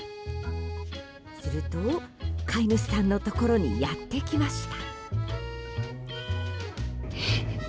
すると、飼い主さんのところにやってきました。